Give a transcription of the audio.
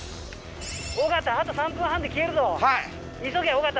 尾形あと３分半で消えるぞ急げ尾形。